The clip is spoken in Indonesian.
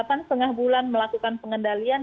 jadi delapan lima bulan melakukan pengendalian